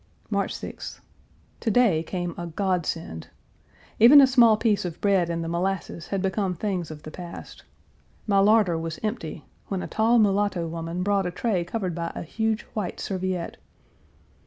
March 6th. To day came a godsend. Even a small piece of bread and the molasses had become things of the past. My larder was empty, when a tall mulatto woman brought a tray covered by a huge white serviette.